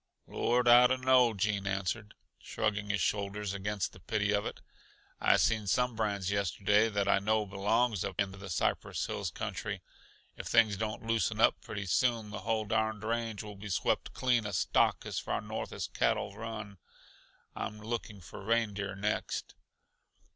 "Lord! I dunno," Gene answered, shrugging his shoulders against the pity of it. "I seen some brands yesterday that I know belongs up in the Cypress Hills country. If things don't loosen up pretty soon, the whole darned range will be swept clean uh stock as far north as cattle run. I'm looking for reindeer next."